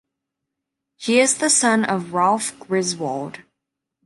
He is the son of Ralph Griswold.